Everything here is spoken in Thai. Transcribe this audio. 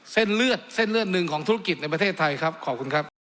เส้นเลือดเส้นเลือดหนึ่งของธุรกิจในประเทศไทยครับขอบคุณครับ